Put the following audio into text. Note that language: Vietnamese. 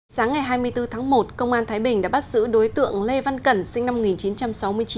sáng ngày hai mươi bốn tháng một công an thái bình đã bắt giữ đối tượng lê văn cẩn sinh năm một nghìn chín trăm sáu mươi chín